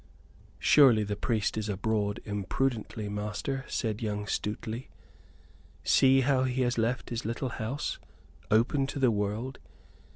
"Surely the priest is abroad imprudently, master?" said young Stuteley. "See how he has left his little house open to the world!